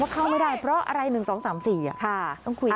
เข้าไม่ได้เพราะอะไร๑๒๓๔ต้องคุยกัน